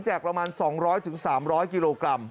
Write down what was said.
ประมาณ๒๐๐๓๐๐กิโลกรัม